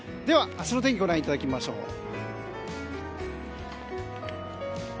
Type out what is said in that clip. では、明日の天気ご覧いただきましょう。